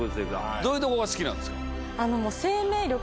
どういうとこが好きなんですか？